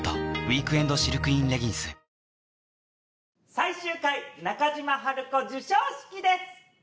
最終回『中島ハルコ』授賞式です。